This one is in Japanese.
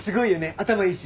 頭いいし。